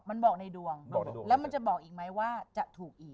มันบอกในดวงแล้วมันจะบอกอีกไหมว่าจะถูกอีก